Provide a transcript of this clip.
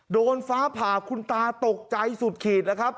โดนฟ้าผ่าคุณตาตกใจสุดขีดแล้วครับ